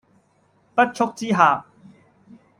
不速之客